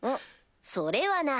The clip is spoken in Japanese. それはな。